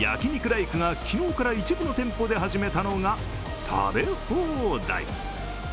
ライクが昨日から一部の店舗で始めたのが食べ放題。